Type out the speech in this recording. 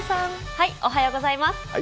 おはようございます。